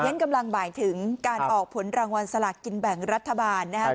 ฉันกำลังบ่ายถึงการออกผลรางวัลสลากกินแบ่งรัฐบาลนะครับ